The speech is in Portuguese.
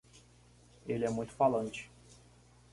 Ele é muito falante.